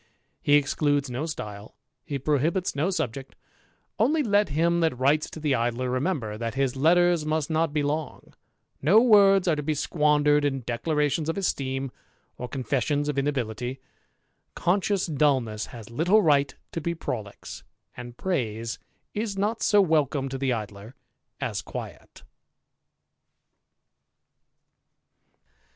He excludes no style, he prohibits no jct; only let him that writes to the Idler remember, his letters must not be long; no words are to be ndered in declarations of esteem, or confessions of ility; conscious dulness has little right to be prolix, praise is not so welcome to the Idler as quiet.